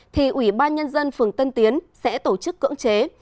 thì ủy ban nhân dân phường tân tiến sẽ tổ chức cưỡng chế